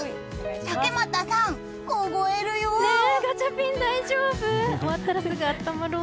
竹俣さん、凍えるよう。